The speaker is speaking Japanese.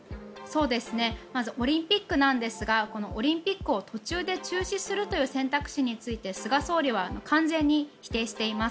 オリンピックなんですがオリンピックを途中で中止するという選択肢について菅総理は完全に否定しています。